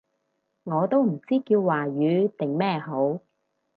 我都唔知叫華語定咩好